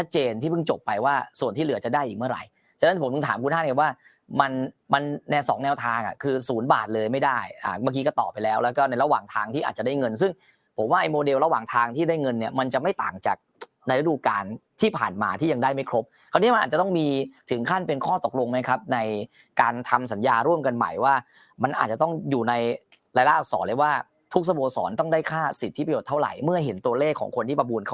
คือศูนย์บาทเลยไม่ได้อ่าเมื่อกี้ก็ต่อไปแล้วแล้วก็ในระหว่างทางที่อาจจะได้เงินซึ่งผมว่าไอ้โมเดลระหว่างทางที่ได้เงินเนี่ยมันจะไม่ต่างจากในระดูการที่ผ่านมาที่ยังได้ไม่ครบคราวนี้มันอาจจะต้องมีถึงขั้นเป็นข้อตกลงไหมครับในการทำสัญญาร่วมกันใหม่ว่ามันอาจจะต้องอยู่ในรายละอักษรเลยว่าทุก